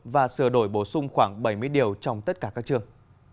và sửa đổi bổ sung khoảng bảy mươi điều trong tất cả các chương